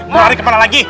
mau lari kemana lagi